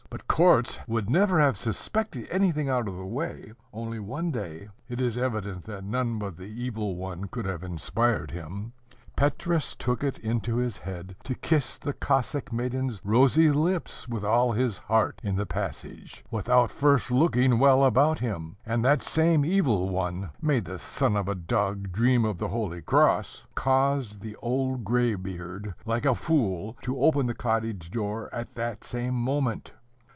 But Korzh would never have suspected anything out of the way, only one day it is evident that none but the Evil One could have inspired him Petrus took it into his head to kiss the Cossack maiden's rosy lips with all his heart in the passage, without first looking well about him; and that same Evil One may the son of a dog dream of the holy cross! caused the old graybeard, like a fool, to open the cottage door at that same moment.